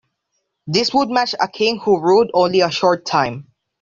This would match a king who ruled only a short time.